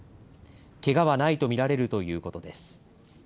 けがはないと見られるということです。